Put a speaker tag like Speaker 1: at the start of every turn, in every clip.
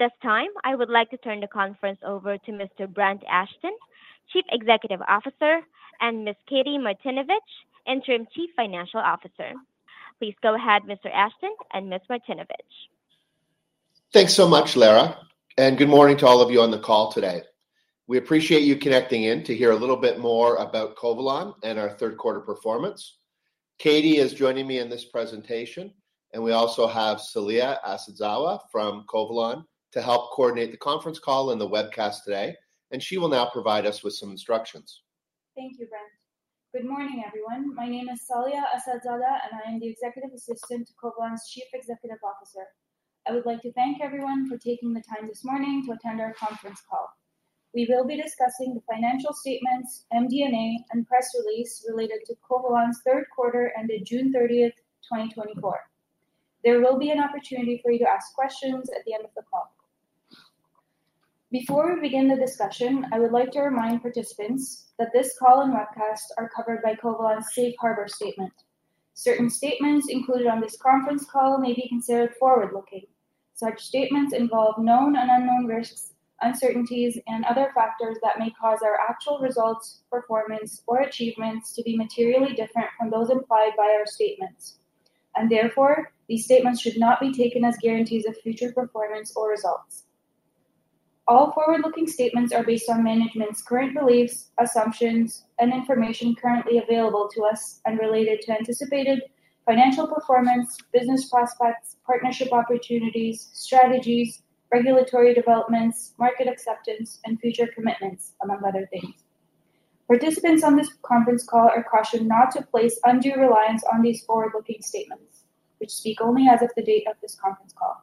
Speaker 1: At this time, I would like to turn the conference over to Mr. Brent Ashton, Chief Executive Officer, and Ms. Katie Martinovich, Interim Chief Financial Officer. Please go ahead, Mr. Ashton and Ms. Martinovich.
Speaker 2: Thanks so much, Lara, and good morning to all of you on the call today. We appreciate you connecting in to hear a little bit more about Covalon and our Q3 performance. Katie is joining me in this presentation, and we also have Saliyah Assadzadeh from Covalon to help coordinate the conference call and the webcast today, and she will now provide us with some instructions.
Speaker 3: Thank you, Brent. Good morning, everyone. My name is Saliyah Assadzadeh, and I am the executive assistant to Covalon's Chief Executive Officer. I would like to thank everyone for taking the time this morning to attend our conference call. We will be discussing the financial statements, MD&A, and press release related to Covalon's Q3 ended June thirtieth, 2024. There will be an opportunity for you to ask questions at the end of the call. Before we begin the discussion, I would like to remind participants that this call and webcast are covered by Covalon's Safe Harbor statement. Certain statements included on this conference call may be considered forward-looking.
Speaker 2: Such statements involve known and unknown risks, uncertainties, and other factors that may cause our actual results, performance, or achievements to be materially different from those implied by our statements, and therefore, these statements should not be taken as guarantees of future performance or results. All forward-looking statements are based on management's current beliefs, assumptions, and information currently available to us and related to anticipated financial performance, business prospects, partnership opportunities, strategies, regulatory developments, market acceptance, and future commitments, among other things. Participants on this conference call are cautioned not to place undue reliance on these forward-looking statements, which speak only as of the date of this conference call.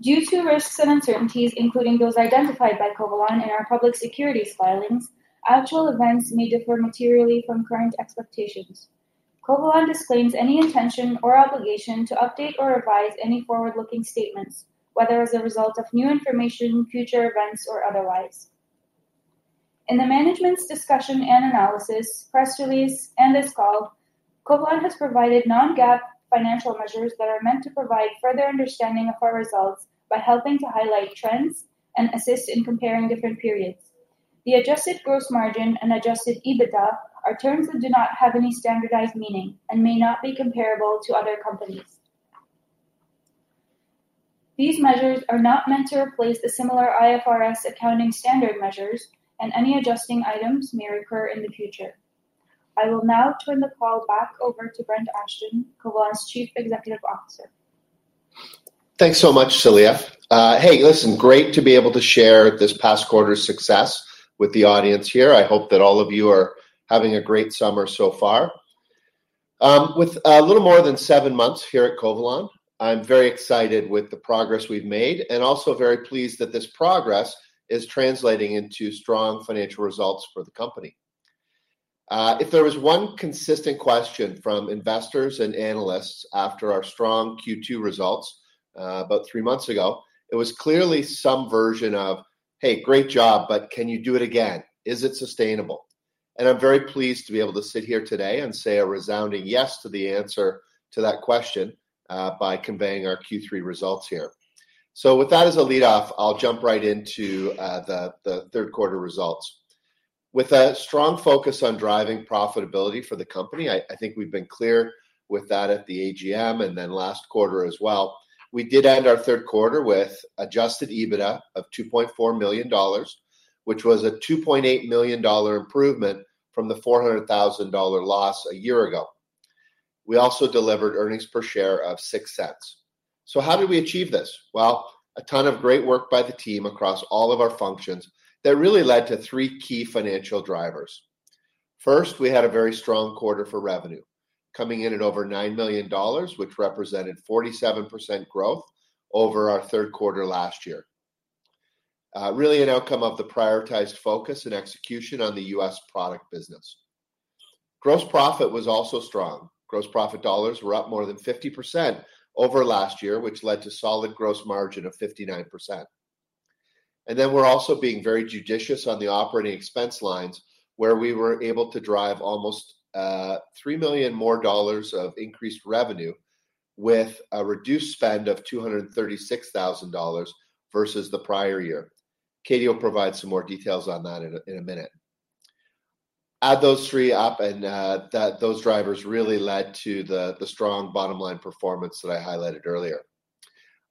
Speaker 2: Due to risks and uncertainties, including those identified by Covalon in our public securities filings, actual events may differ materially from current expectations. Covalon disclaims any intention or obligation to update or revise any forward-looking statements, whether as a result of new information, future events, or otherwise. In the Management's Discussion and Analysis, press release, and this call, Covalon has provided non-GAAP financial measures that are meant to provide further understanding of our results by helping to highlight trends and assist in comparing different periods. The adjusted gross margin and adjusted EBITDA are terms that do not have any standardized meaning and may not be comparable to other companies. These measures are not meant to replace the similar IFRS accounting standard measures, and any adjusting items may recur in the future. I will now turn the call back over to Brent Ashton, Covalon's Chief Executive Officer. Thanks so much, Saliyah. Hey, listen, great to be able to share this past quarter's success with the audience here. I hope that all of you are having a great summer so far. With a little more than seven months here at Covalon, I'm very excited with the progress we've made and also very pleased that this progress is translating into strong financial results for the company. If there was one consistent question from investors and analysts after our strong Q2 results about three months ago, it was clearly some version of, "Hey, great job, but can you do it again? Is it sustainable?" And I'm very pleased to be able to sit here today and say a resounding yes to the answer to that question by conveying our Q3 results here. With that as a lead off, I'll jump right into the Q3 results. With a strong focus on driving profitability for the company, I think we've been clear with that at the AGM and then last quarter as well. We did end our Q3 with adjusted EBITDA of 2.4 million dollars, which was a 2.8 million dollar improvement from the 400,000 dollar loss a year ago. We also delivered earnings per share of 0.06. So how did we achieve this? Well, a ton of great work by the team across all of our functions that really led to three key financial drivers. First, we had a very strong quarter for revenue, coming in at over 9 million dollars, which represented 47% growth over our Q3 last year. Really an outcome of the prioritized focus and execution on the U.S. product business. Gross profit was also strong. Gross profit dollars were up more than 50% over last year, which led to solid gross margin of 59%. And then we're also being very judicious on the operating expense lines, where we were able to drive almost 3 million more dollars of increased revenue with a reduced spend of 236,000 dollars versus the prior year. Katie will provide some more details on that in a minute. Add those three up, and those drivers really led to the strong bottom line performance that I highlighted earlier.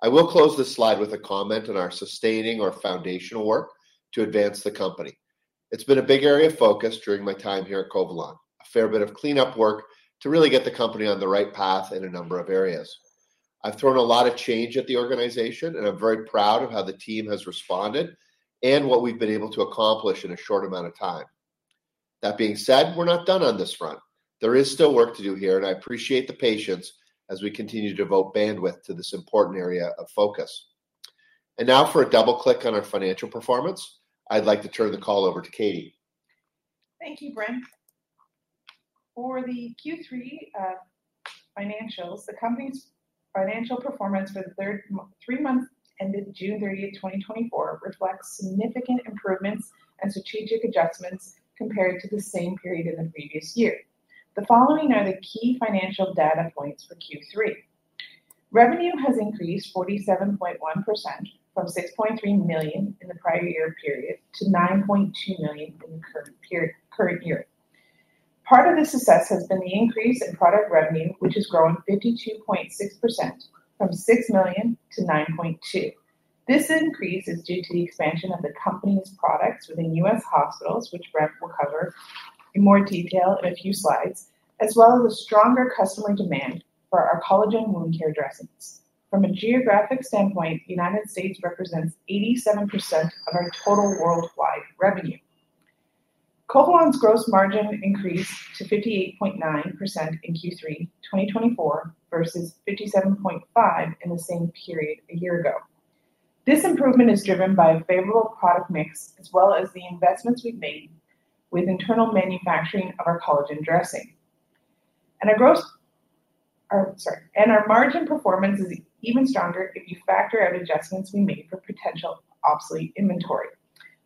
Speaker 2: I will close this slide with a comment on our sustaining or foundational work to advance the company. It's been a big area of focus during my time here at Covalon, a fair bit of cleanup work to really get the company on the right path in a number of areas. I've thrown a lot of change at the organization, and I'm very proud of how the team has responded and what we've been able to accomplish in a short amount of time. That being said, we're not done on this front. There is still work to do here, and I appreciate the patience as we continue to devote bandwidth to this important area of focus. And now for a double click on our financial performance, I'd like to turn the call over to Katie.
Speaker 4: Thank you, Brent. For the Q3 financials, the company's financial performance for the three months ended June thirtieth, 2024, reflects significant improvements and strategic adjustments compared to the same period in the previous year. The following are the key financial data points for Q3.... Revenue has increased 47.1% from 6.3 million in the prior year period to 9.2 million in the current period, current year. Part of this success has been the increase in product revenue, which has grown 52.6% from 6 million to 9.2 million. This increase is due to the expansion of the company's products within U.S. hospitals, which Brent will cover in more detail in a few slides, as well as the stronger customer demand for our collagen wound care dressings.
Speaker 2: From a geographic standpoint, the United States represents 87% of our total worldwide revenue. Covalon gross margin increased to 58.9% in Q3 2024, versus 57.5% in the same period a year ago. This improvement is driven by a favorable product mix, as well as the investments we've made with internal manufacturing of our collagen dressing. Our margin performance is even stronger if you factor out adjustments we made for potential obsolete inventory.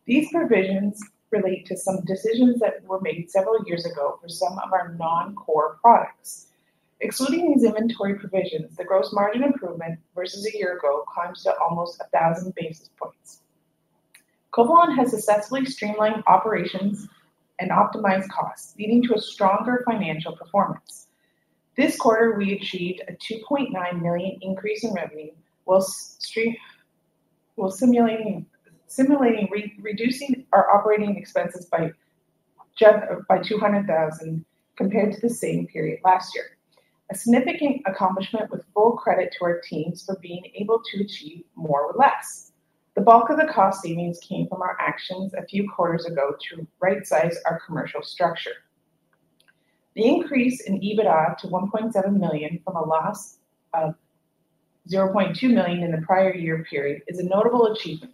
Speaker 2: These provisions relate to some decisions that were made several years ago for some of our non-core products. Excluding these inventory provisions, the gross margin improvement versus a year ago climbs to almost 1,000 basis points. Covalon has successfully streamlined operations and optimized costs, leading to a stronger financial performance. This quarter, we achieved a 2.9 million increase in revenue, while simultaneously reducing our operating expenses by 200,000 compared to the same period last year. A significant accomplishment with full credit to our teams for being able to achieve more with less. The bulk of the cost savings came from our actions a few quarters ago to right-size our commercial structure. The increase in EBITDA to 1.7 million from a loss of 0.2 million in the prior year period is a notable achievement.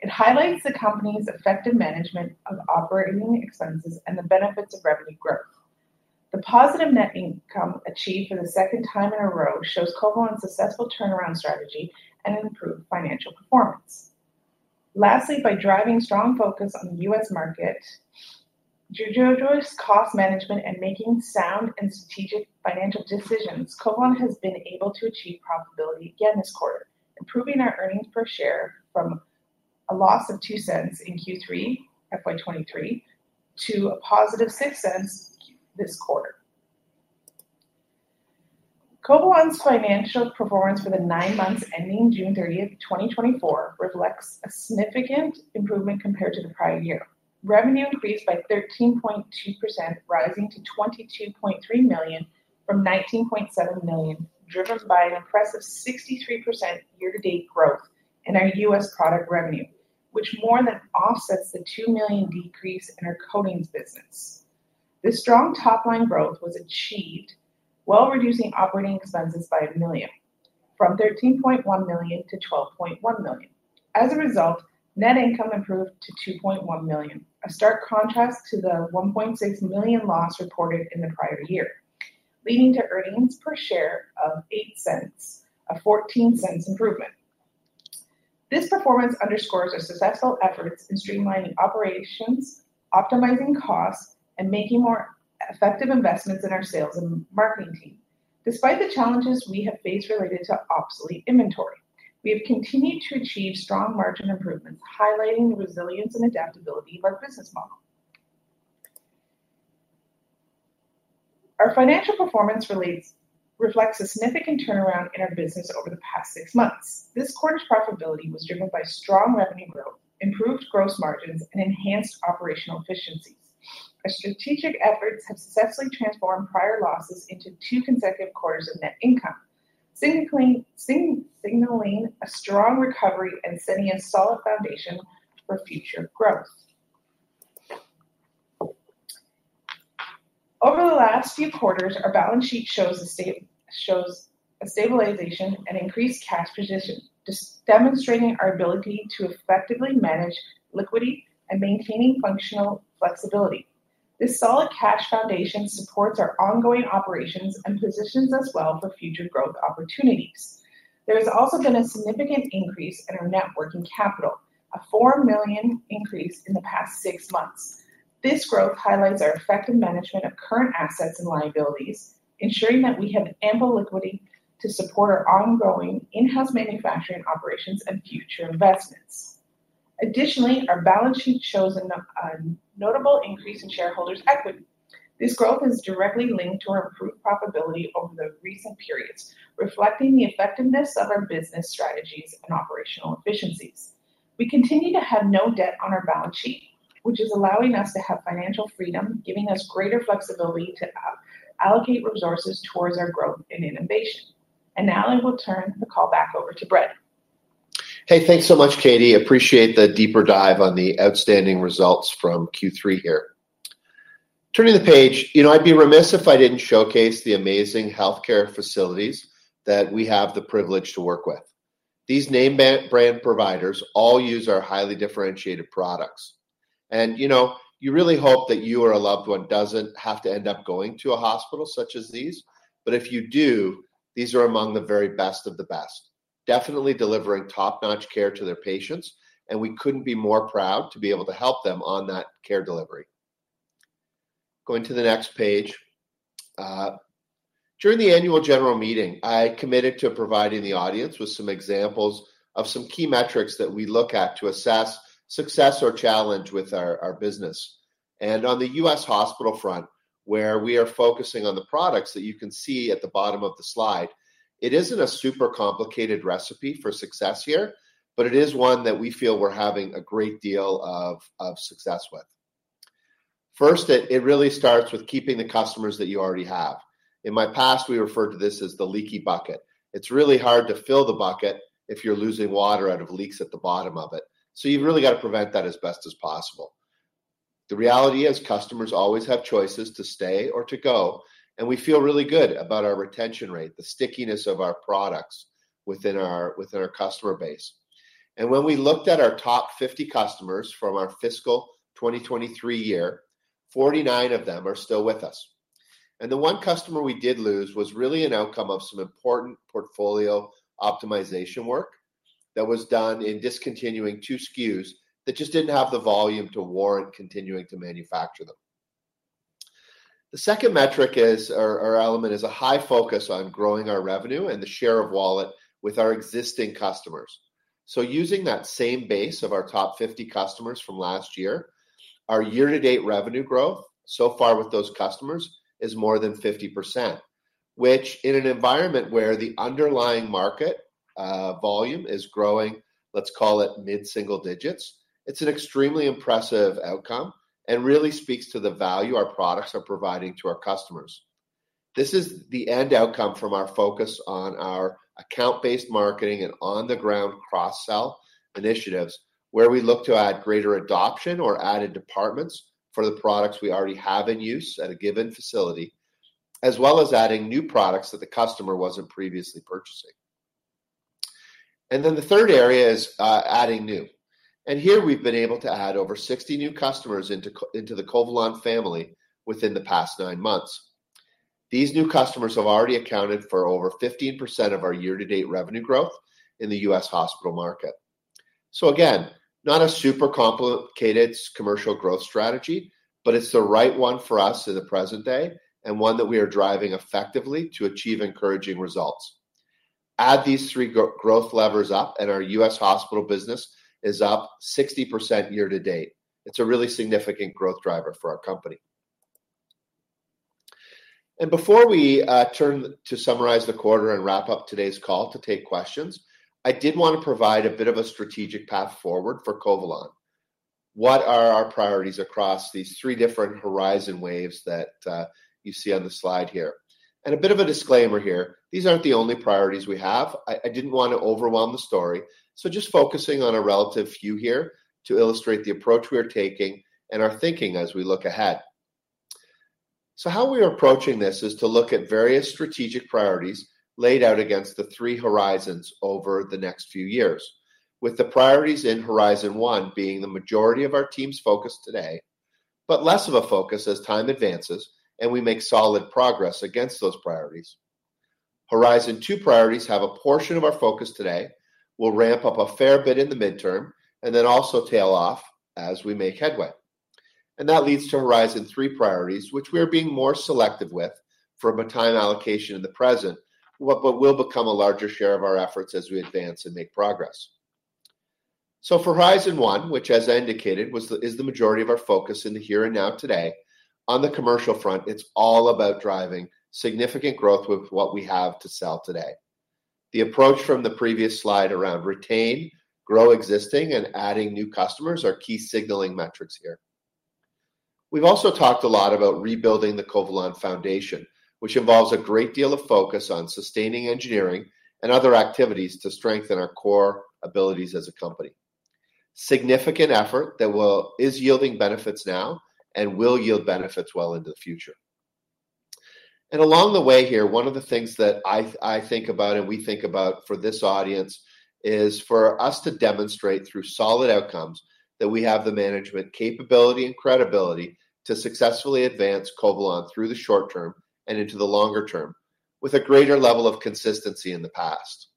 Speaker 2: It highlights the company's effective management of operating expenses and the benefits of revenue growth. The positive net income achieved for the second time in a row shows Covalon successful turnaround strategy and improved financial performance. Lastly, by driving strong focus on the U.S. market, judicious cost management, and making sound and strategic financial decisions, Covalon has been able to achieve profitability again this quarter, improving our earnings per share from a loss of 0.02 in Q3 2023 to a positive 0.06 this quarter. Covalon's financial performance for the nine months ending June 30th, 2024, reflects a significant improvement compared to the prior year. Revenue increased by 13.2%, rising to 22.3 million from 19.7 million, driven by an impressive 63% year-to-date growth in our U.S. product revenue, which more than offsets the 2 million decrease in our coatings business. This strong top-line growth was achieved while reducing operating expenses by 1 million, from 13.1 million to 12.1 million. As a result, net income improved to 2.1 million, a stark contrast to the 1.6 million loss reported in the prior year, leading to earnings per share of 0.08, a 0.14 improvement. This performance underscores our successful efforts in streamlining operations, optimizing costs, and making more effective investments in our sales and marketing team. Despite the challenges we have faced related to obsolete inventory, we have continued to achieve strong margin improvements, highlighting the resilience and adaptability of our business model. Our financial performance reflects a significant turnaround in our business over the past six months. This quarter's profitability was driven by strong revenue growth, improved gross margins, and enhanced operational efficiencies. Our strategic efforts have successfully transformed prior losses into two consecutive quarters of net income, signaling a strong recovery and setting a solid foundation for future growth. Over the last few quarters, our balance sheet shows a stabilization and increased cash position, demonstrating our ability to effectively manage liquidity and maintaining functional flexibility. This solid cash foundation supports our ongoing operations and positions us well for future growth opportunities. There has also been a significant increase in our net working capital, a 4 million increase in the past six months. This growth highlights our effective management of current assets and liabilities, ensuring that we have ample liquidity to support our ongoing in-house manufacturing operations and future investments. Additionally, our balance sheet shows a notable increase in shareholders' equity. This growth is directly linked to our improved profitability over the recent periods, reflecting the effectiveness of our business strategies and operational efficiencies. We continue to have no debt on our balance sheet, which is allowing us to have financial freedom, giving us greater flexibility to allocate resources towards our growth and innovation, and now I will turn the call back over to Brent. Hey, thanks so much, Katie. Appreciate the deeper dive on the outstanding results from Q3 here. Turning the page, you know, I'd be remiss if I didn't showcase the amazing healthcare facilities that we have the privilege to work with. These name-brand providers all use our highly differentiated products. And you know, you really hope that you or a loved one doesn't have to end up going to a hospital such as these. But if you do, these are among the very best of the best, definitely delivering top-notch care to their patients, and we couldn't be more proud to be able to help them on that care delivery. Going to the next page. During the annual general meeting, I committed to providing the audience with some examples of some key metrics that we look at to assess success or challenge with our business. On the U.S. hospital front, where we are focusing on the products that you can see at the bottom of the slide, it isn't a super complicated recipe for success here, but it is one that we feel we're having a great deal of success with. First, it really starts with keeping the customers that you already have. In my past, we referred to this as the leaky bucket. It's really hard to fill the bucket if you're losing water out of leaks at the bottom of it, so you've really got to prevent that as best as possible. The reality is, customers always have choices to stay or to go, and we feel really good about our retention rate, the stickiness of our products within our customer base. When we looked at our top 50 customers from our fiscal 2023 year, 49 of them are still with us. The one customer we did lose was really an outcome of some important portfolio optimization work that was done in discontinuing two SKUs that just didn't have the volume to warrant continuing to manufacture them. The second metric is, or element, is a high focus on growing our revenue and the share of wallet with our existing customers. Using that same base of our top 50 customers from last year, our year-to-date revenue growth so far with those customers is more than 50%, which in an environment where the underlying market, volume is growing, let's call it mid-single digits, it's an extremely impressive outcome and really speaks to the value our products are providing to our customers. This is the end outcome from our focus on our account-based marketing and on-the-ground cross-sell initiatives, where we look to add greater adoption or added departments for the products we already have in use at a given facility, as well as adding new products that the customer wasn't previously purchasing. Then the third area is adding new, and here we've been able to add over 60 new customers into the Covalon family within the past nine months. These new customers have already accounted for over 15% of our year-to-date revenue growth in the US hospital market. So again, not a super complicated commercial growth strategy, but it's the right one for us in the present day, and one that we are driving effectively to achieve encouraging results. Add these three growth levers up, and our U.S. hospital business is up 60% year to date. It's a really significant growth driver for our company, and before we turn to summarize the quarter and wrap up today's call to take questions, I did want to provide a bit of a strategic path forward for Covalon. What are our priorities across these three different horizon waves that you see on the slide here, and a bit of a disclaimer here: these aren't the only priorities we have. I didn't want to overwhelm the story, so just focusing on a relative few here to illustrate the approach we are taking and our thinking as we look ahead. So how we are approaching this is to look at various strategic priorities laid out against the three horizons over the next few years, with the priorities in Horizon One being the majority of our team's focus today, but less of a focus as time advances and we make solid progress against those priorities. Horizon Two priorities have a portion of our focus today, will ramp up a fair bit in the midterm, and then also tail off as we make headway. And that leads to Horizon Three priorities, which we are being more selective with from a time allocation in the present, but will become a larger share of our efforts as we advance and make progress. So for Horizon One, which as I indicated, was the... is the majority of our focus in the here and now today. On the commercial front, it's all about driving significant growth with what we have to sell today. The approach from the previous slide around retain, grow existing, and adding new customers are key signaling metrics here. We've also talked a lot about rebuilding the Covalon foundation, which involves a great deal of focus on sustaining engineering and other activities to strengthen our core abilities as a company. Significant effort is yielding benefits now and will yield benefits well into the future. And along the way here, one of the things that I think about and we think about for this audience is for us to demonstrate, through solid outcomes, that we have the management capability and credibility to successfully advance Covalon through the short term and into the longer term, with a greater level of consistency in the past.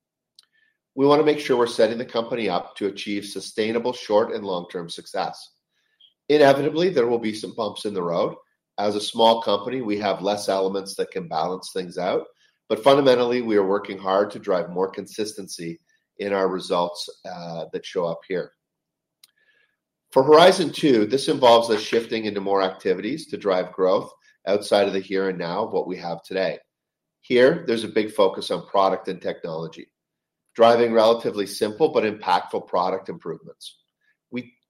Speaker 2: We want to make sure we're setting the company up to achieve sustainable short- and long-term success. Inevitably, there will be some bumps in the road. As a small company, we have less elements that can balance things out, but fundamentally, we are working hard to drive more consistency in our results that show up here. For Horizon Two, this involves us shifting into more activities to drive growth outside of the here and now, what we have today. Here, there's a big focus on product and technology, driving relatively simple but impactful product improvements.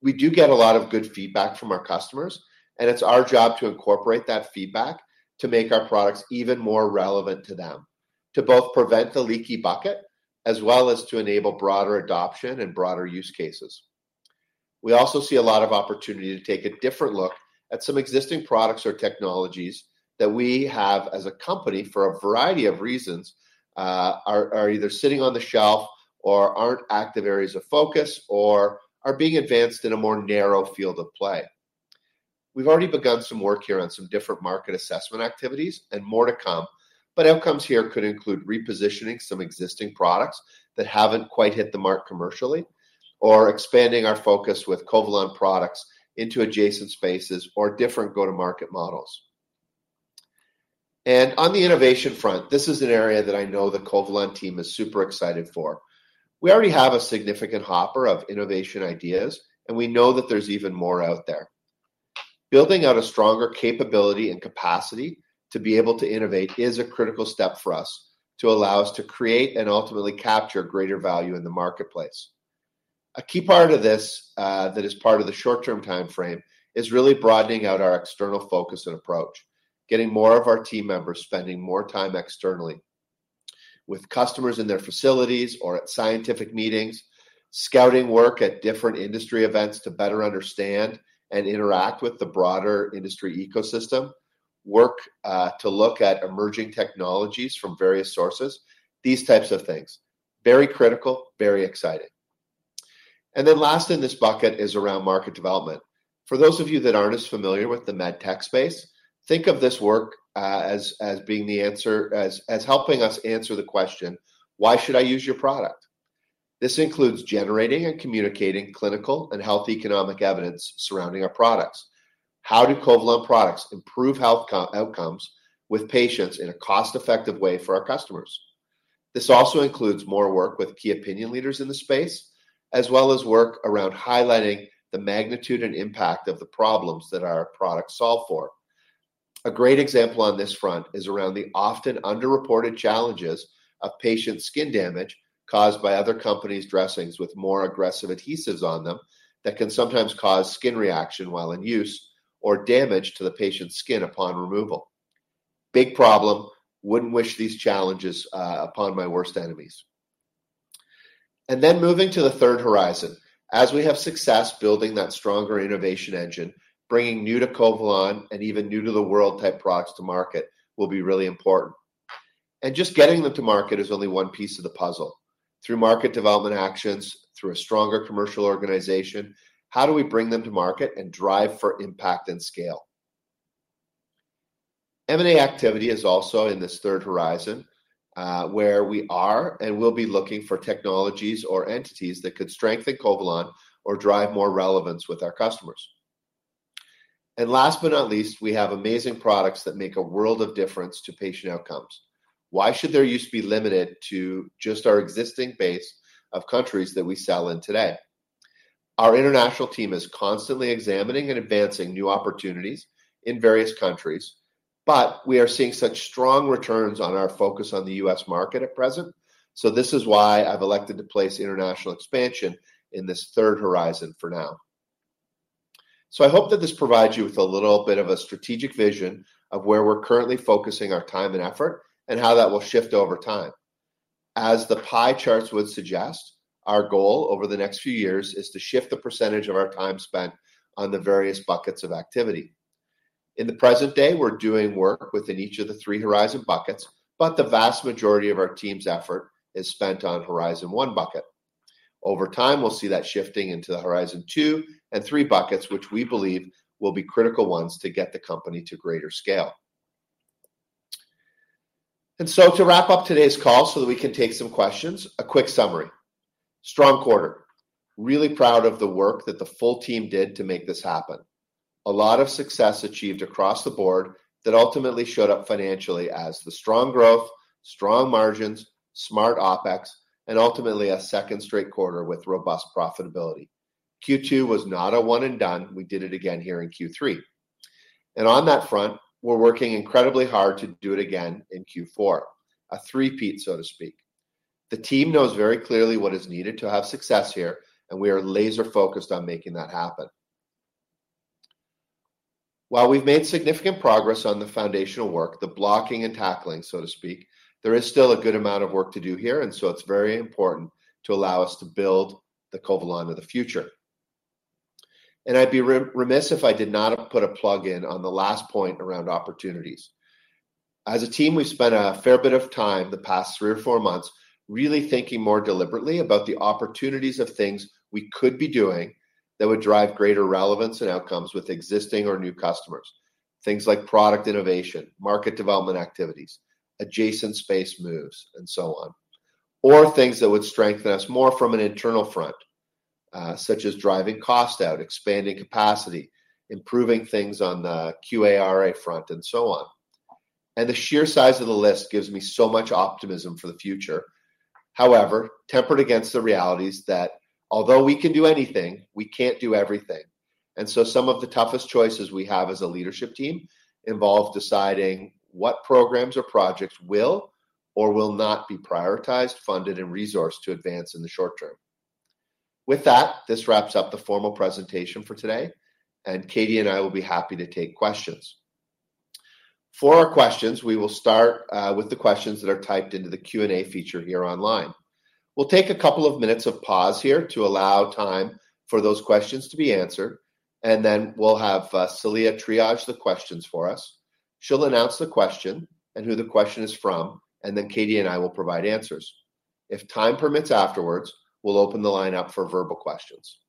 Speaker 2: We do get a lot of good feedback from our customers, and it's our job to incorporate that feedback to make our products even more relevant to them, to both prevent the leaky bucket, as well as to enable broader adoption and broader use cases. We also see a lot of opportunity to take a different look at some existing products or technologies that we have as a company, for a variety of reasons, are either sitting on the shelf or aren't active areas of focus or are being advanced in a more narrow field of play. We've already begun some work here on some different market assessment activities and more to come, but outcomes here could include repositioning some existing products that haven't quite hit the mark commercially or expanding our focus with Covalon products into adjacent spaces or different go-to-market models, and on the innovation front, this is an area that I know the Covalon team is super excited for. We already have a significant hopper of innovation ideas, and we know that there's even more out there. Building out a stronger capability and capacity to be able to innovate is a critical step for us to allow us to create and ultimately capture greater value in the marketplace. A key part of this that is part of the short-term timeframe is really broadening out our external focus and approach, getting more of our team members spending more time externally with customers in their facilities or at scientific meetings, scouting work at different industry events to better understand and interact with the broader industry ecosystem, to look at emerging technologies from various sources, these types of things. Very critical, very exciting. And then last in this bucket is around market development. For those of you that aren't as familiar with the med tech space, think of this work as helping us answer the question: Why should I use your product? This includes generating and communicating clinical and health economic evidence surrounding our products. How do Covalon products improve healthcare outcomes with patients in a cost-effective way for our customers? This also includes more work with key opinion leaders in the space, as well as work around highlighting the magnitude and impact of the problems that our products solve for. A great example on this front is around the often underreported challenges of patient skin damage caused by other companies' dressings with more aggressive adhesives on them that can sometimes cause skin reaction while in use or damage to the patient's skin upon removal. Big problem. Wouldn't wish these challenges upon my worst enemies. And then moving to the third horizon. As we have success building that stronger innovation engine, bringing new to Covalon and even new-to-the-world-type products to market will be really important. And just getting them to market is only one piece of the puzzle. Through market development actions, through a stronger commercial organization, how do we bring them to market and drive for impact and scale? M&A activity is also in this third horizon, where we are and will be looking for technologies or entities that could strengthen Covalon or drive more relevance with our customers, and last but not least, we have amazing products that make a world of difference to patient outcomes. Why should their use be limited to just our existing base of countries that we sell in today? Our international team is constantly examining and advancing new opportunities in various countries, but we are seeing such strong returns on our focus on the US market at present, so this is why I've elected to place international expansion in this third horizon for now. I hope that this provides you with a little bit of a strategic vision of where we're currently focusing our time and effort, and how that will shift over time. As the pie charts would suggest, our goal over the next few years is to shift the percentage of our time spent on the various buckets of activity. In the present day, we're doing work within each of the three horizon buckets, but the vast majority of our team's effort is spent on Horizon One bucket. Over time, we'll see that shifting into the Horizon Two and Three buckets, which we believe will be critical ones to get the company to greater scale. To wrap up today's call so that we can take some questions, a quick summary: Strong quarter. Really proud of the work that the full team did to make this happen. A lot of success achieved across the board that ultimately showed up financially as the strong growth, strong margins, smart OpEx, and ultimately, a second straight quarter with robust profitability. Q2 was not a one and done. We did it again here in Q3. And on that front, we're working incredibly hard to do it again in Q4, a three-peat, so to speak. The team knows very clearly what is needed to have success here, and we are laser-focused on making that happen. While we've made significant progress on the foundational work, the blocking and tackling, so to speak, there is still a good amount of work to do here, and so it's very important to allow us to build the Covalon of the future. And I'd be remiss if I did not put a plug in on the last point around opportunities. As a team, we've spent a fair bit of time the past three or four months really thinking more deliberately about the opportunities of things we could be doing that would drive greater relevance and outcomes with existing or new customers. Things like product innovation, market development activities, adjacent space moves, and so on. Or things that would strengthen us more from an internal front, such as driving cost out, expanding capacity, improving things on the QARA front, and so on. And the sheer size of the list gives me so much optimism for the future. However, tempered against the realities that although we can do anything, we can't do everything. And so some of the toughest choices we have as a leadership team involve deciding what programs or projects will or will not be prioritized, funded, and resourced to advance in the short term. With that, this wraps up the formal presentation for today, and Katie and I will be happy to take questions. For our questions, we will start with the questions that are typed into the Q&A feature here online. We'll take a couple of minutes of pause here to allow time for those questions to be answered, and then we'll have Saliyah triage the questions for us. She'll announce the question and who the question is from, and then Katie and I will provide answers. If time permits afterwards, we'll open the line up for verbal questions.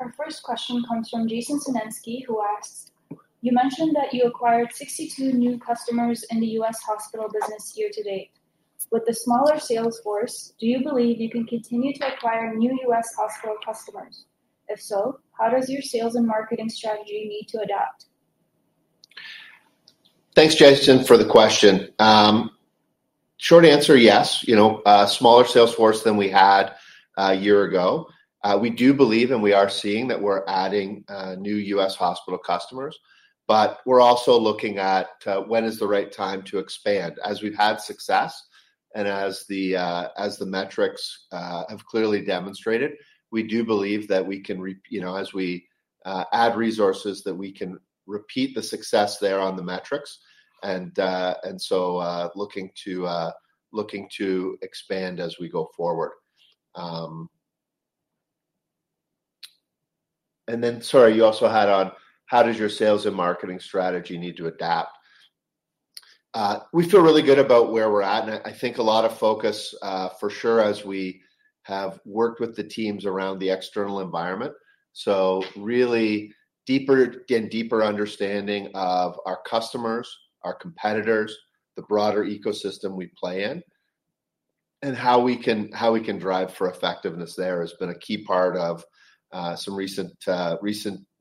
Speaker 3: Our first question comes from Jason Sinensky, who asks: You mentioned that you acquired 62 new customers in the U.S. hospital business year to date. With the smaller sales force, do you believe you can continue to acquire new U.S. hospital customers? If so, how does your sales and marketing strategy need to adapt?
Speaker 2: Thanks, Jason, for the question. Short answer, yes. You know, smaller sales force than we had a year ago. We do believe, and we are seeing that we're adding new U.S. hospital customers, but we're also looking at when is the right time to expand. As we've had success and as the metrics have clearly demonstrated, we do believe that we can, you know, as we add resources, that we can repeat the success there on the metrics, and so looking to expand as we go forward. And then, sorry, you also had on how does your sales and marketing strategy need to adapt? We feel really good about where we're at, and I think a lot of focus, for sure, as we have worked with the teams around the external environment, so really deeper and deeper understanding of our customers, our competitors, the broader ecosystem we play in... and how we can drive for effectiveness there has been a key part of some recent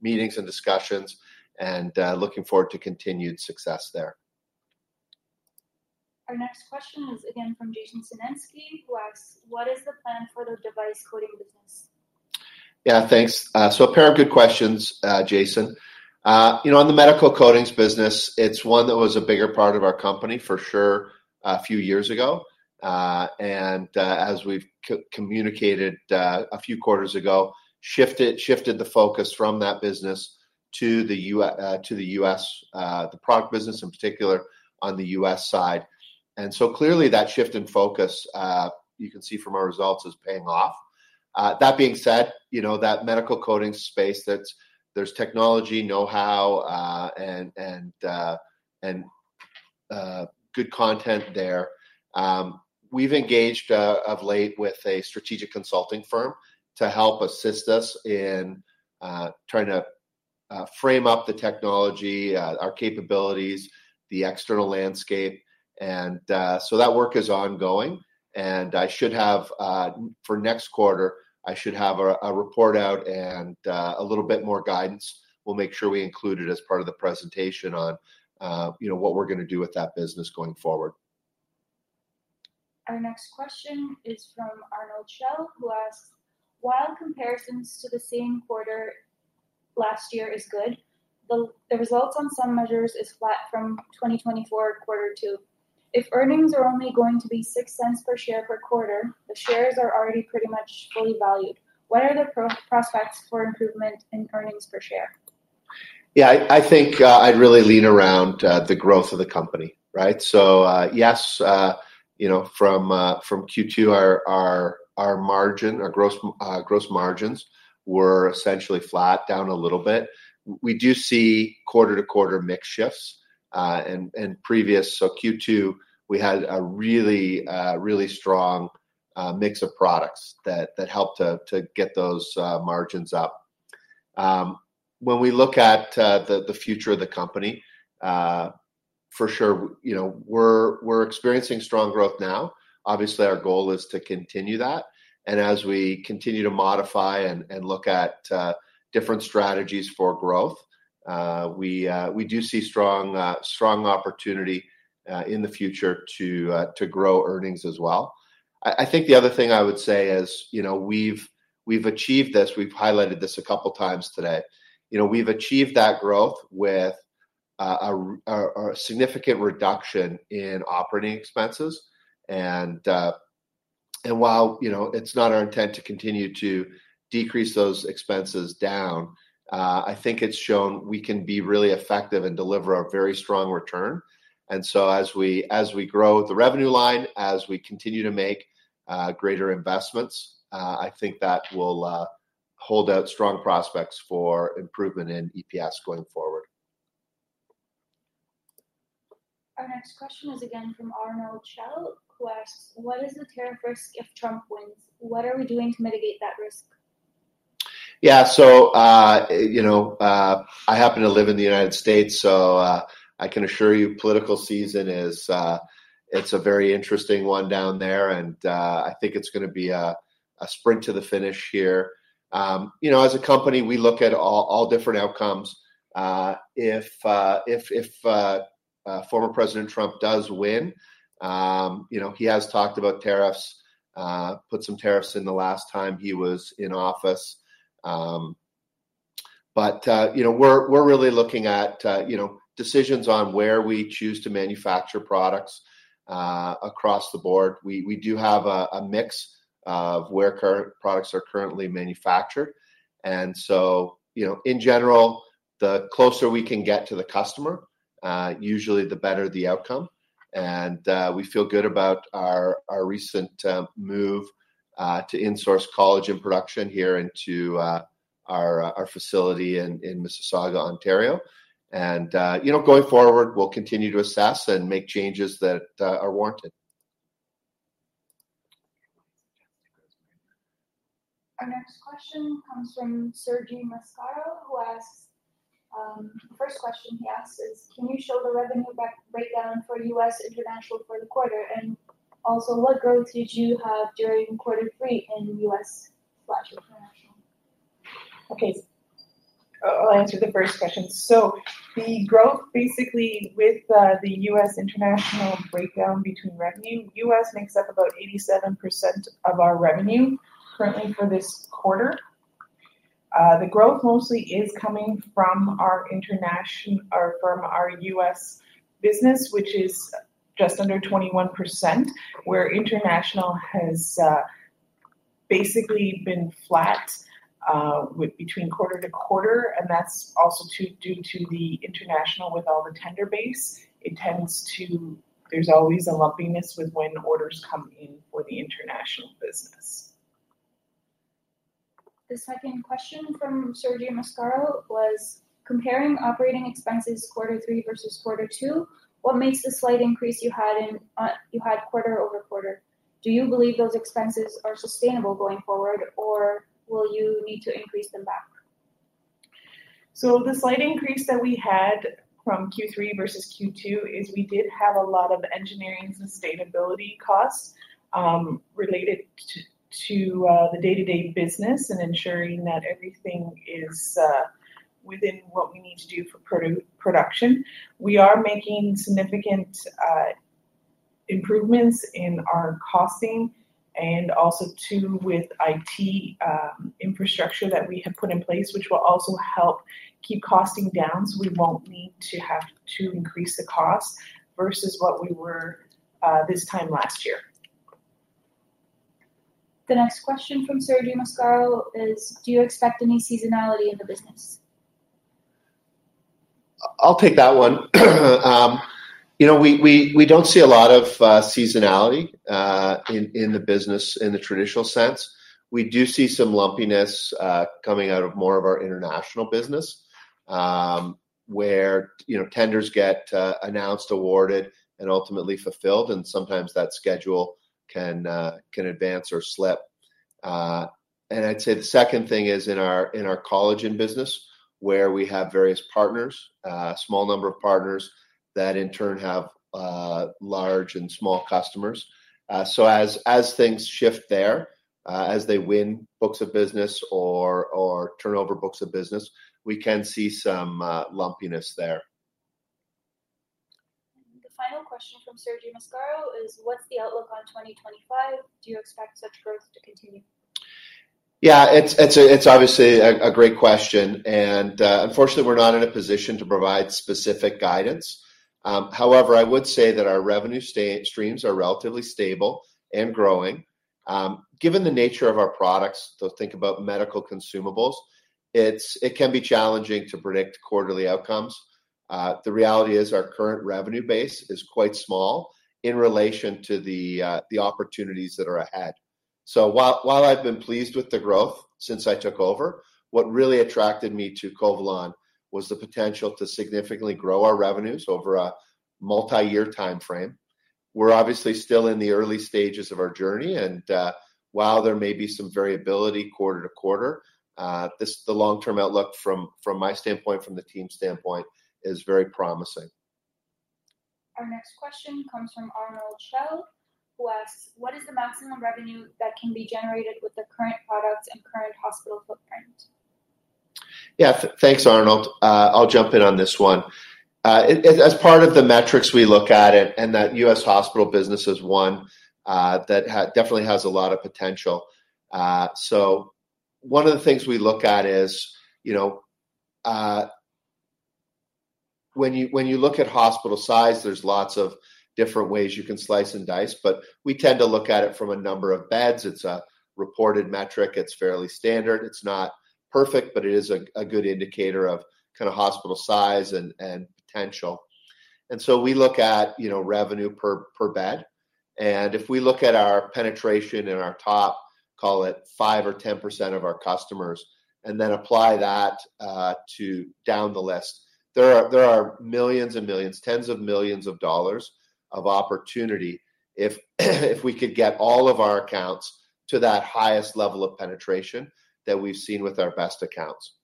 Speaker 2: meetings and discussions, and looking forward to continued success there.
Speaker 3: Our next question is again from Jason Sinensky, who asks: What is the plan for the device coatings business?
Speaker 2: Yeah, thanks. So a pair of good questions, Jason. You know, on the medical coatings business, it's one that was a bigger part of our company for sure, a few years ago. And, as we've communicated, a few quarters ago, shifted the focus from that business to the U- to the U.S., the product business in particular on the U.S. side. And so clearly that shift in focus, you can see from our results is paying off. That being said, you know, that medical coating space, that's there's technology, know-how, and good content there. We've engaged, of late with a strategic consulting firm to help assist us in trying to frame up the technology, our capabilities, the external landscape, and... So that work is ongoing, and I should have, for next quarter, I should have a report out and a little bit more guidance. We'll make sure we include it as part of the presentation on, you know, what we're gonna do with that business going forward.
Speaker 3: Our next question is from Arnold Shell, who asks: While comparisons to the same quarter last year is good, the results on some measures is flat from 2024 Q2. If earnings are only going to be six cents per share per quarter, the shares are already pretty much fully valued. What are the prospects for improvement in earnings per share?
Speaker 2: Yeah, I think I'd really lean around the growth of the company, right? So, yes, you know, from Q2, our margin, our gross margins were essentially flat down a little bit. We do see quarter-to-quarter mix shifts. So Q2, we had a really strong mix of products that helped to get those margins up. When we look at the future of the company, for sure, you know, we're experiencing strong growth now. Obviously, our goal is to continue that, and as we continue to modify and look at different strategies for growth, we do see strong opportunity in the future to grow earnings as well. I think the other thing I would say is, you know, we've achieved this, we've highlighted this a couple of times today. You know, we've achieved that growth with a significant reduction in operating expenses, and while, you know, it's not our intent to continue to decrease those expenses down, I think it's shown we can be really effective and deliver a very strong return. And so as we grow the revenue line, as we continue to make greater investments, I think that will hold out strong prospects for improvement in EPS going forward.
Speaker 3: Our next question is again from Arnold Shell, who asks: What is the tariff risk if Trump wins? What are we doing to mitigate that risk?
Speaker 2: Yeah. So, you know, I happen to live in the United States, so, I can assure you political season is, it's a very interesting one down there, and, I think it's gonna be a sprint to the finish here. You know, as a company, we look at all different outcomes. If former President Trump does win, you know, he has talked about tariffs, put some tariffs in the last time he was in office. But, you know, we're really looking at, you know, decisions on where we choose to manufacture products, across the board. We do have a mix of where current products are currently manufactured, and so, you know, in general, the closer we can get to the customer, usually the better the outcome. We feel good about our recent move to insource collagen production here into our facility in Mississauga, Ontario. You know, going forward, we'll continue to assess and make changes that are warranted....
Speaker 3: Our next question comes from Sergio Mascaro, who asks. The first question he asks is: Can you show the revenue breakdown for US international for the quarter? And also, what growth did you have during quarter three in US/international?
Speaker 4: Okay, I'll answer the first question. So the growth, basically, with the US international breakdown between revenue, US makes up about 87% of our revenue currently for this quarter. The growth mostly is coming from our international or from our US business, which is just under 21%, where international has, basically been flat, with between quarter to quarter, and that's also due to the international with all the tender-based. It tends to... There's always a lumpiness with when orders come in for the international business.
Speaker 3: The second question from Sergio Mascaro was: Comparing operating expenses Q3 versusQ2, what makes the slight increase you had quarter-over-quarter? Do you believe those expenses are sustainable going forward, or will you need to increase them back?
Speaker 4: So the slight increase that we had from Q3 versus Q2 is we did have a lot of engineering sustainability costs related to the day-to-day business and ensuring that everything is within what we need to do for production. We are making significant improvements in our costing, and also too, with IT infrastructure that we have put in place, which will also help keep costing down, so we won't need to increase the cost versus what we were this time last year.
Speaker 3: The next question from Sergio Mascaro is: Do you expect any seasonality in the business?
Speaker 2: I'll take that one. You know, we don't see a lot of seasonality in the business in the traditional sense. We do see some lumpiness coming out of more of our international business, where you know, tenders get announced, awarded, and ultimately fulfilled, and sometimes that schedule can advance or slip. And I'd say the second thing is in our collagen business, where we have various partners, a small number of partners that in turn have large and small customers. So as things shift there, as they win books of business or turn over books of business, we can see some lumpiness there.
Speaker 3: The final question from Sergio Mascaro is: What's the outlook on 2025? Do you expect such growth to continue?
Speaker 2: Yeah, it's obviously a great question, and unfortunately, we're not in a position to provide specific guidance. However, I would say that our revenue streams are relatively stable and growing. Given the nature of our products, so think about medical consumables, it can be challenging to predict quarterly outcomes. The reality is our current revenue base is quite small in relation to the opportunities that are ahead. So while I've been pleased with the growth since I took over, what really attracted me to Covalon was the potential to significantly grow our revenues over a multi-year timeframe. We're obviously still in the early stages of our journey, and while there may be some variability quarter-to-quarter, the long-term outlook from my standpoint, from the team's standpoint, is very promising.
Speaker 3: Our next question comes from Arnold Shell, who asks: What is the maximum revenue that can be generated with the current products and current hospital footprint?
Speaker 2: Yeah, thanks, Arnold. I'll jump in on this one. As part of the metrics we look at, and that U.S. hospital business is one that definitely has a lot of potential. So one of the things we look at is, you know, when you look at hospital size, there's lots of different ways you can slice and dice, but we tend to look at it from a number of beds. It's a reported metric. It's fairly standard. It's not perfect, but it is a good indicator of kinda hospital size and potential. And so we look at, you know, revenue per bed, and if we look at our penetration in our top, call it five or 10% of our customers, and then apply that to down the list, there are millions and millions, tens of millions of dollars of opportunity if we could get all of our accounts to that highest level of penetration that we've seen with our best accounts.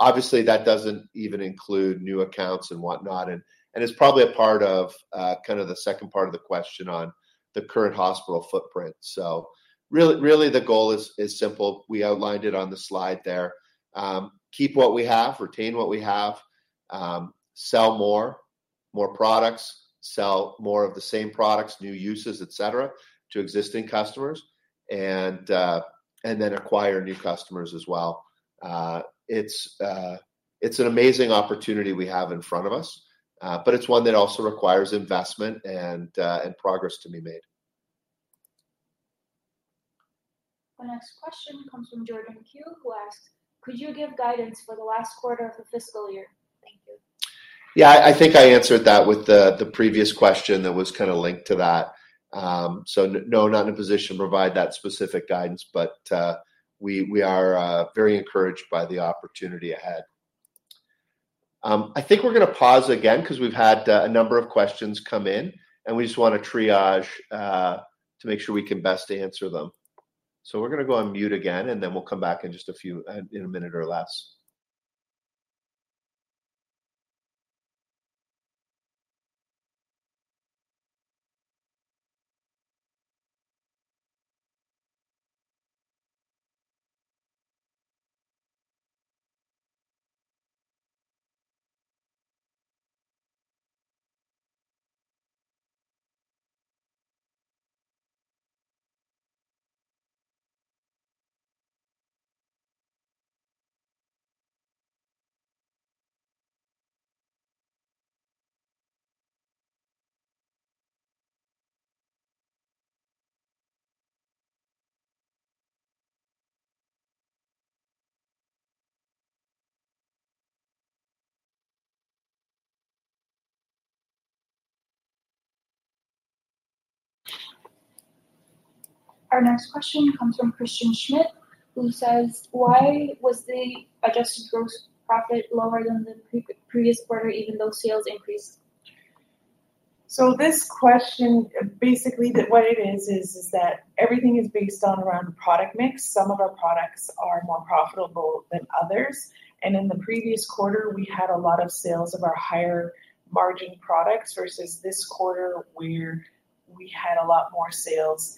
Speaker 2: Obviously, that doesn't even include new accounts and whatnot, and it's probably a part of kind of the second part of the question on the current hospital footprint. So really the goal is simple. We outlined it on the slide there. Keep what we have, retain what we have, sell more products, sell more of the same products, new uses, et cetera, to existing customers, and then acquire new customers as well. It's an amazing opportunity we have in front of us, but it's one that also requires investment and progress to be made.
Speaker 3: The next question comes from Jordan Q, who asks: Could you give guidance for the last quarter of the fiscal year? Thank you.
Speaker 2: Yeah, I think I answered that with the previous question that was kinda linked to that. So no, not in a position to provide that specific guidance, but we are very encouraged by the opportunity ahead. I think we're gonna pause again 'cause we've had a number of questions come in, and we just wanna triage to make sure we can best answer them. So we're gonna go on mute again, and then we'll come back in just a few, in a minute or less.
Speaker 3: Our next question comes from Christian Schmidt, who says: Why was the adjusted gross profit lower than the previous quarter, even though sales increased?...
Speaker 4: So this question, basically, the way it is, is that everything is based around product mix. Some of our products are more profitable than others, and in the previous quarter, we had a lot of sales of our higher margin products, versus this quarter, where we had a lot more sales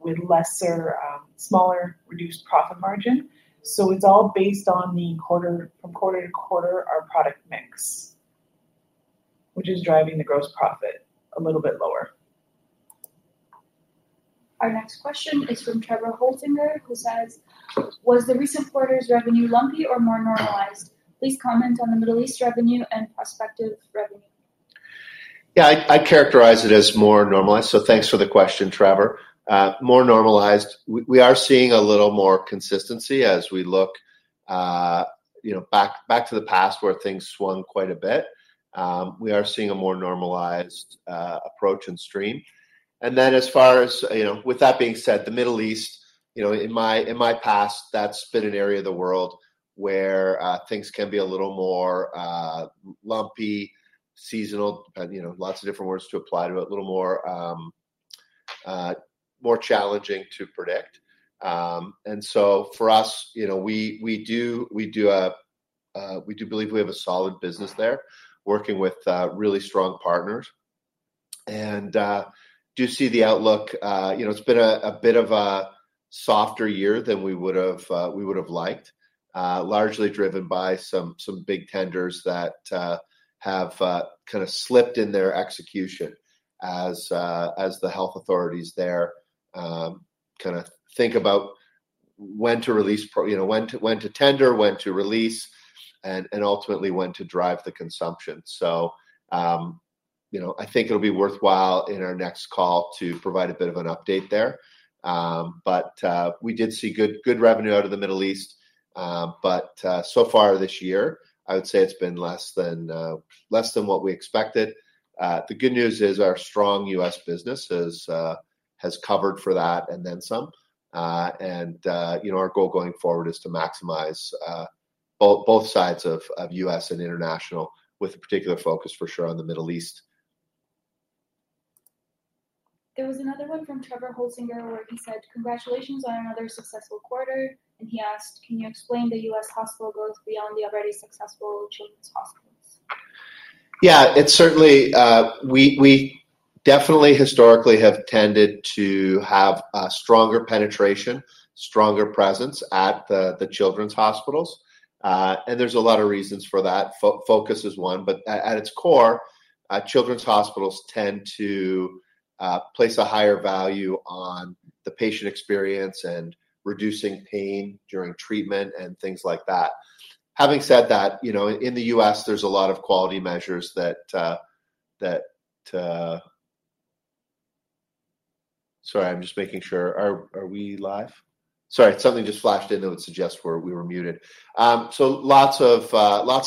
Speaker 4: with lesser, smaller, reduced profit margin. So it's all based on the quarter, from quarter to quarter, our product mix, which is driving the gross profit a little bit lower.
Speaker 3: Our next question is from Trevor Holzinger, who says: "Was the recent quarter's revenue lumpy or more normalized? Please comment on the Middle East revenue and prospective revenue.
Speaker 2: Yeah, I characterize it as more normalized, so thanks for the question, Trevor. More normalized. We are seeing a little more consistency as we look, you know, back to the past where things swung quite a bit. We are seeing a more normalized approach and stream. And then as far as... You know, with that being said, the Middle East, you know, in my past, that's been an area of the world where things can be a little more lumpy, seasonal, you know, lots of different words to apply to it, a little more more challenging to predict. And so for us, you know, we do believe we have a solid business there, working with really strong partners. And do see the outlook... You know, it's been a bit of a softer year than we would've liked, largely driven by some big tenders that have kind of slipped in their execution as the health authorities there kind of think about when to release you know, when to tender, when to release, and ultimately when to drive the consumption. So, you know, I think it'll be worthwhile in our next call to provide a bit of an update there. But, we did see good revenue out of the Middle East. But, so far this year, I would say it's been less than what we expected. The good news is our strong U.S. business has covered for that and then some. You know, our goal going forward is to maximize both sides of U.S. and international, with a particular focus, for sure, on the Middle East.
Speaker 3: There was another one from Trevor Holzinger, where he said, "Congratulations on another successful quarter." And he asked: "Can you explain the U.S. hospital growth beyond the already successful children's hospitals?
Speaker 2: Yeah, it's certainly. We definitely historically have tended to have a stronger penetration, stronger presence at the children's hospitals, and there's a lot of reasons for that. Focus is one, but at its core, children's hospitals tend to place a higher value on the patient experience and reducing pain during treatment and things like that. Having said that, you know, in the U.S., there's a lot of quality measures that. Sorry, I'm just making sure. Are we live? Sorry, something just flashed in that would suggest we were muted. So lots of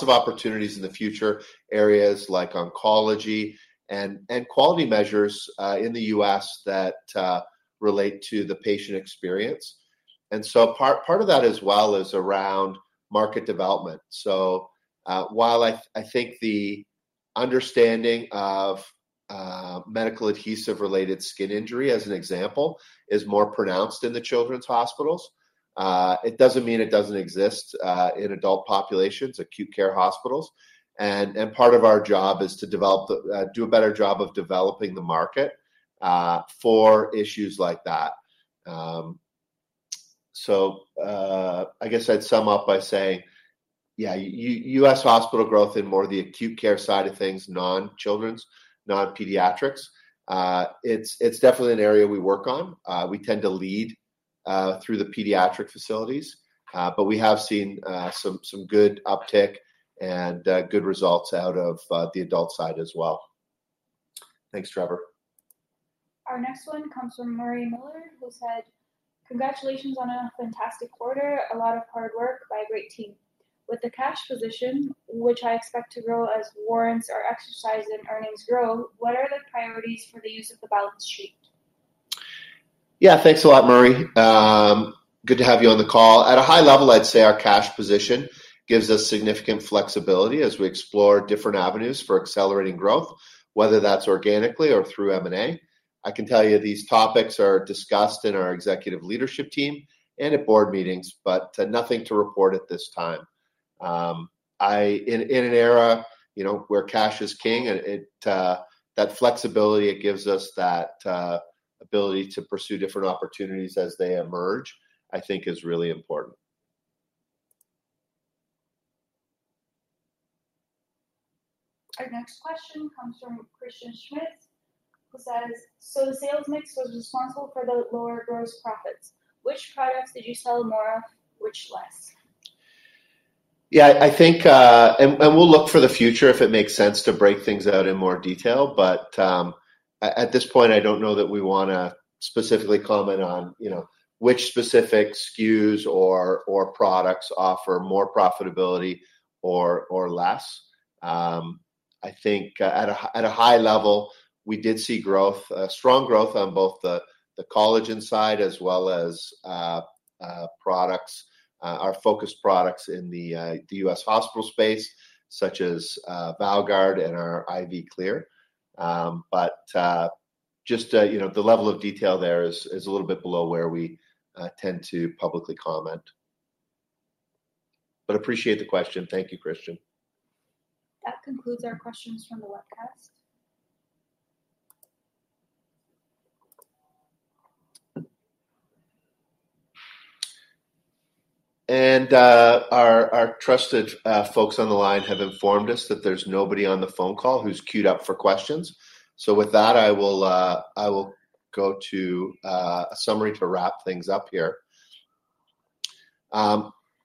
Speaker 2: opportunities in the future, areas like oncology and quality measures in the U.S. that relate to the patient experience. And so part of that as well is around market development. So, while I, I think the understanding of medical adhesive-related skin injury, as an example, is more pronounced in the children's hospitals. It doesn't mean it doesn't exist in adult populations, acute care hospitals. And part of our job is to develop the do a better job of developing the market for issues like that. So, I guess I'd sum up by saying, yeah, U.S. hospital growth in more of the acute care side of things, non-children's, non-pediatrics, it's definitely an area we work on. We tend to lead through the pediatric facilities, but we have seen some good uptick and good results out of the adult side as well. Thanks, Trevor.
Speaker 3: Our next one comes from Murray Miller, who said, "Congratulations on a fantastic quarter. A lot of hard work by a great team. With the cash position, which I expect to grow as warrants are exercised and earnings grow, what are the priorities for the use of the balance sheet?
Speaker 2: Yeah, thanks a lot, Murray. Good to have you on the call. At a high level, I'd say our cash position gives us significant flexibility as we explore different avenues for accelerating growth, whether that's organically or through M&A. I can tell you, these topics are discussed in our executive leadership team and at board meetings, but nothing to report at this time. In an era, you know, where cash is king, it that flexibility it gives us that ability to pursue different opportunities as they emerge, I think is really important.
Speaker 3: Our next question comes from Christian Schmidt, who says, "So the sales mix was responsible for the lower gross profits. Which products did you sell more of, which less?
Speaker 2: Yeah, I think... And we'll look for the future if it makes sense to break things out in more detail, but at this point, I don't know that we wanna specifically comment on, you know, which specific SKUs or products offer more profitability or less. I think at a high level, we did see growth, strong growth on both the collagen side as well as products, our focus products in the U.S. hospital space, such as ValGuard and our IV Clear. But just, you know, the level of detail there is a little bit below where we tend to publicly comment. But appreciate the question. Thank you, Christian.
Speaker 3: That concludes our questions from the webcast.
Speaker 2: Our trusted folks on the line have informed us that there's nobody on the phone call who's queued up for questions. So with that, I will go to a summary to wrap things up here.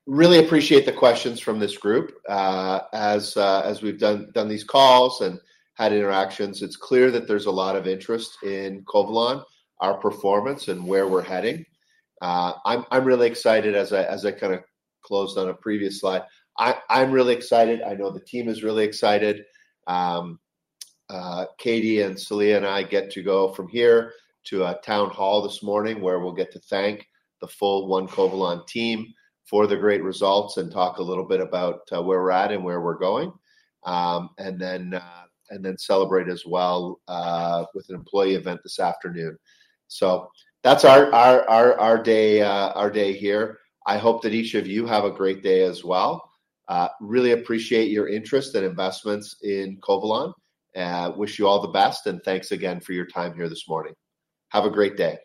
Speaker 2: Really appreciate the questions from this group. As we've done these calls and had interactions, it's clear that there's a lot of interest in Covalon, our performance, and where we're heading. I'm really excited as I kinda closed on a previous slide. I'm really excited. I know the team is really excited. Katie and Saliyah and I get to go from here to a town hall this morning, where we'll get to thank the full Covalon team for the great results and talk a little bit about where we're at and where we're going. And then celebrate as well with an employee event this afternoon. So that's our day here. I hope that each of you have a great day as well. Really appreciate your interest and investments in Covalon. Wish you all the best, and thanks again for your time here this morning. Have a great day.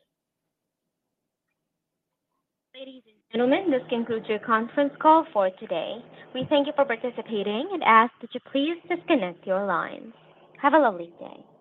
Speaker 1: Ladies and gentlemen, this concludes your conference call for today. We thank you for participating and ask that you please disconnect your lines. Have a lovely day.